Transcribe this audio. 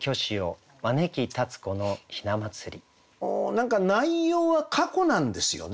何か内容は過去なんですよね。